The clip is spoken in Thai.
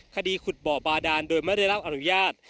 คดีขุดบ่อบาดานโดยไม่ได้รับอนุญาต